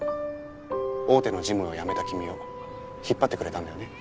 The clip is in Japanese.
大手のジムを辞めた君を引っ張ってくれたんだよね？